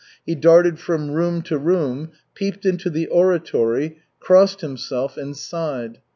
He darted from room to room, peeped into the oratory, crossed himself, and sighed.